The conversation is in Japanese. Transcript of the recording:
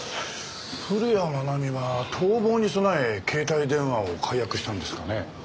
古谷愛美は逃亡に備え携帯電話を解約したんですかね？